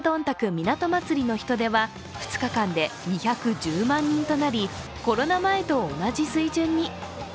港まつりの人出は２日間で２１０万人となり、コロナ前と同じ水準に。